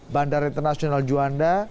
bandara internasional juanda